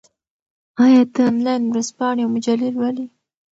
آیا ته انلاین ورځپاڼې او مجلې لولې؟